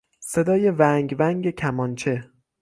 صدای ونگ ونگ کمانچه